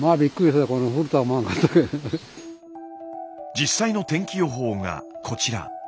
実際の天気予報がこちら。